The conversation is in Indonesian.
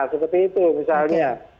seperti itu misalnya